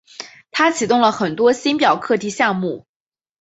他启动了很多星表课题项目。